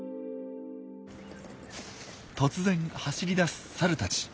突然走り出すサルたち。